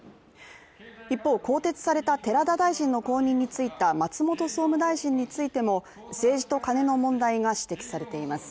一方、更迭された寺田大臣の後任に就いた松本総務大臣についても政治とカネの問題が指摘されています。